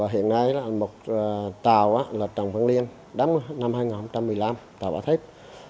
hiện nay một tàu là trọng văn liên đáng năm hai nghìn một mươi năm tàu vỏ thép